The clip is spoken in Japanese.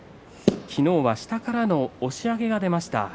昨日は下からの押し上げが出ました。